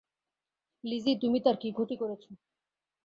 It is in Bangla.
লিজি তুমি তার কী ক্ষতি করেছো?